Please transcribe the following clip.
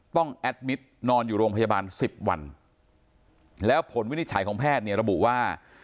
แอดมิตรนอนอยู่โรงพยาบาลสิบวันแล้วผลวินิจฉัยของแพทย์เนี่ยระบุว่า